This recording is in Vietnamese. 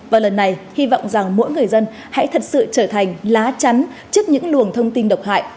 và lần này hy vọng rằng mỗi người dân hãy thật sự trở thành lá chắn trước những luồng thông tin độc hại